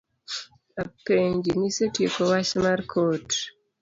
Apenji, nisetieko wach mar kot?